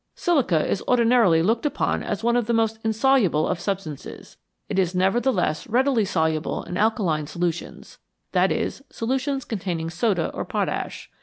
Silica is ordinarily looked upon as one of the most insoluble of substances. It is nevertheless readily soluble in alkaline solutions i.e., solutions containing soda or potash.